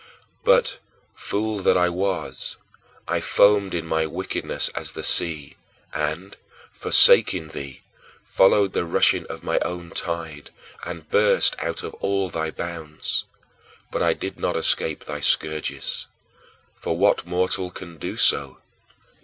4. But, fool that I was, I foamed in my wickedness as the sea and, forsaking thee, followed the rushing of my own tide, and burst out of all thy bounds. But I did not escape thy scourges. For what mortal can do so?